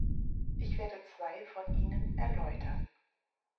Ich werde zwei von ihnen erläutern.